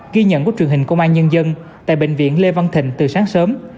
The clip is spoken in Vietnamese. ghi nhận của truyền hình công an nhân dân tại bệnh viện lê văn thịnh từ sáng sớm